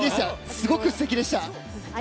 すごくすてきでした。